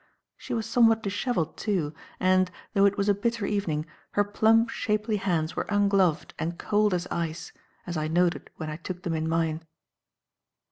She was somewhat dishevelled, too, and, though it was a bitter evening, her plump, shapely hands were ungloved and cold as ice, as I noted when I took them in mine.